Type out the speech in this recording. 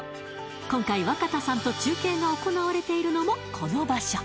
今回若田さんと中継が行われているのもこの場所